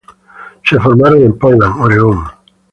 Se formaron en Portland, Oregón.